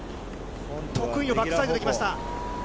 得意のバックサイドできました。